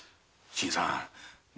新さんも。